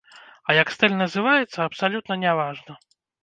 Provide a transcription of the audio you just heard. А як стыль называецца, абсалютна не важна.